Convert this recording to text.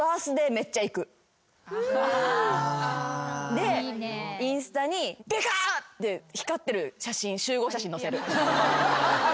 でインスタにビカッて光ってる集合写真のせる。